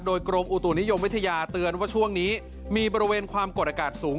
โดยกรมอุตุนิยมวิทยาเตือนว่าช่วงนี้มีบริเวณความกดอากาศสูง